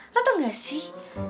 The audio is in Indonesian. lo tau gak sih